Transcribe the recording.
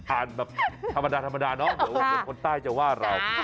อ่านแบบธรรมดาธรรมดาเนาะเดี๋ยวคนใต้จะว่าเรา